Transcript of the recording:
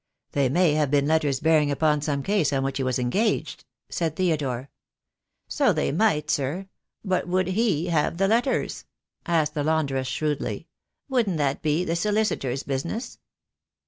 "They may have been letters bearing upon some case on which he was engaged," said Theodore. "So they might, sir, but would he have the letters?" asked the laundress shrewdly. "Wouldn't that be the solicitor's business?"